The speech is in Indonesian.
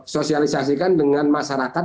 sosialisasikan dengan masyarakat